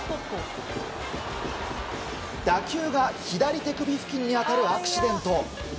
打球が、左手首付近に当たるアクシデント。